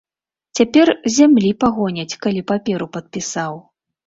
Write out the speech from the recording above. Цяпер з зямлі прагоняць, калі паперу падпісаў.